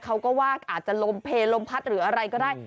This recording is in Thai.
เขาก็ว่าอาจจะลมเพลลมพัดหรืออะไรก็ได้